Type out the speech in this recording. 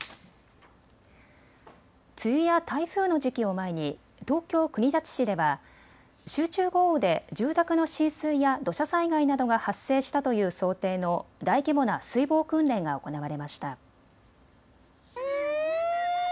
梅雨や台風の時期を前に東京国立市では集中豪雨で住宅の浸水や土砂災害などが発生したという想定の大規模な水防訓練が行われました。